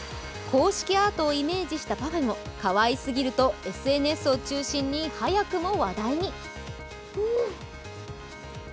公式アートをイメージしたパフェもかわいすぎるとＳＮＳを中心に早くも話題に。